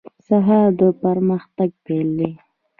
سهار د پرمختګ پیل دی.